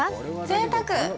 ぜいたく！